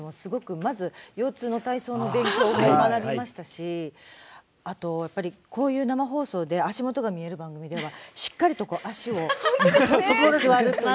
まずは腰痛の体操の勉強も学びましたしあとは、こういう生放送で足元が見える番組ではしっかりと足を閉じて座ると。